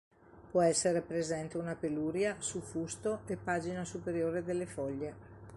Può essere presente una peluria su fusto e pagina superiore delle foglie.